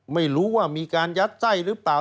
ไม่รู้ว่ามีการยัดไส้หรือเปล่า